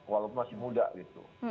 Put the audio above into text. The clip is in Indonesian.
walaupun masih muda gitu